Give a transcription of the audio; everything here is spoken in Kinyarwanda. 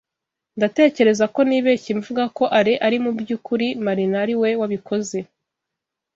Ndatekereza ko nibeshye mvuga ko Alain ari mubyukuri Marina ari we wabikoze.